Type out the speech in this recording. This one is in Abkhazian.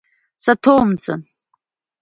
Саҭоумҵан!